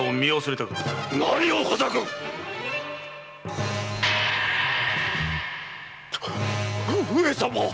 何をほざく⁉上様‼